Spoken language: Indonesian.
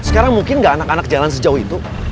sekarang mungkin nggak anak anak jalan sejauh itu